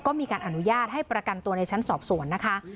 ก็มีการอนุญาตให้ประกันตัวในชั้นสอบสวนนะคะ